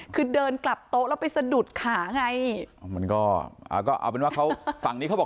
คือเดินกลับโต๊ะแล้วไปสะดุดขาไงเอาเป็นว่าฝั่งนี้เขาบอก